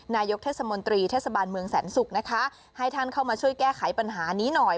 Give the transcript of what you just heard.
นายกเทศมนตรีเทศบาลเมืองแสนศุกร์นะคะให้ท่านเข้ามาช่วยแก้ไขปัญหานี้หน่อย